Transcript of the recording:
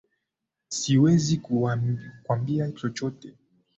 Siwezi kuambiwa chochote